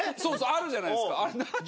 あるじゃないですか。